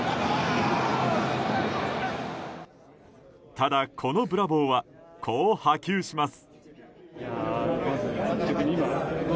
ただ、このブラボーはこう波及します。